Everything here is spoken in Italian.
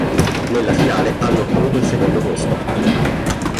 Nella finale hanno ottenuto il secondo posto.